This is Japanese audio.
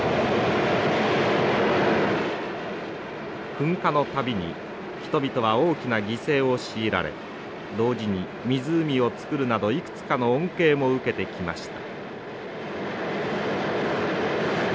噴火の度に人々は大きな犠牲を強いられ同時に湖をつくるなどいくつかの恩恵も受けてきました。